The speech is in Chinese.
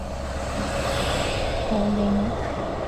宏琳厝居住着黄姓家族。